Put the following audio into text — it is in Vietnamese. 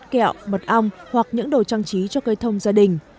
kẹo mật ong hoặc những đồ trang trí cho cây thông gia đình